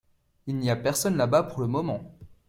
Il n’y a personne là-bas pour le moment.